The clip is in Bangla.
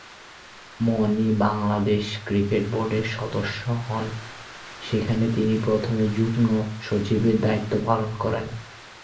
মনি বাংলাদেশ ক্রিকেট বোর্ডের সদস্য হন, সেখানে তিনি প্রথমে যুগ্ম-সচিবের দায়িত্ব পালন করেন।